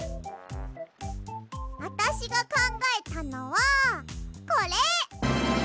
あたしがかんがえたのはこれ！